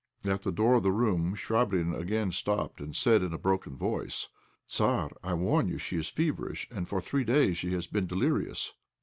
At the door of the room Chvabrine again stopped, and said, in a broken voice "Tzar, I warn you she is feverish, and for three days she has been delirious."